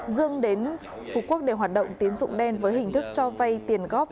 dương đến phú quốc để hoạt động tiến dụng đen với hình thức cho vay tiền góp